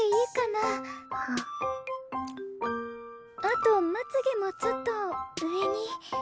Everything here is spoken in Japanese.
あとまつげもちょっと上に。